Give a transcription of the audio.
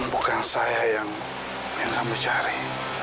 bukan saya yang kamu cari